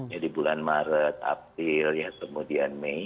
jadi bulan maret april ya kemudian mei